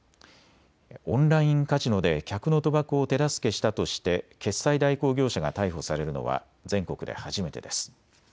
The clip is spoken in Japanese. オンラインカジノで客の賭博を手助けしたとして決済代行業者が逮捕されるのは全国で初めてです。